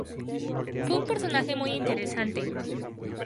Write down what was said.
Fue un personaje muy interesante.